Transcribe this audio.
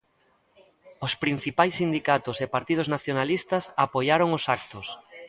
Os principais sindicatos e partidos nacionalistas apoiaron os actos.